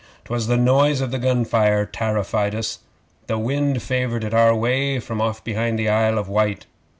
'Twas the noise of the gun fire tarrified us. The wind favoured it our way from off behind the Isle of Wight.